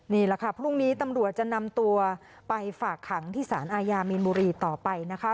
นี่แหละค่ะพรุ่งนี้ตำรวจจะนำตัวไปฝากขังที่สารอาญามีนบุรีต่อไปนะคะ